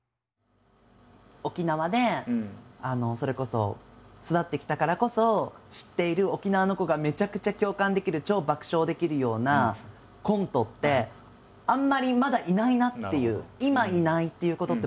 沖縄でそれこそ育ってきたからこそ知っている沖縄の子がめちゃくちゃ共感できる超爆笑できるようなコントってあんまりまだいないなっていう。